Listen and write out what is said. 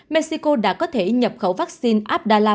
mexico đã có thể nhập khẩu vaccine abdala